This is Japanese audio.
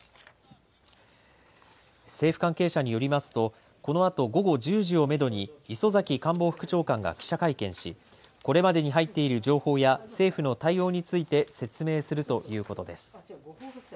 政府関係者によりますとこのあと午後１０時をめどに、磯崎官房副長官が記者会見しこれまでに入っている情報や政府の対応について説明するということです。